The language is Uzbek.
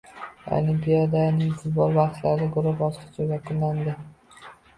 Olimpiadaning futbol bahslarida guruh bosqichi yakunlandi